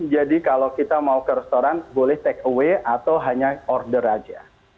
jadi kalau kita mau ke restoran boleh take away atau hanya order aja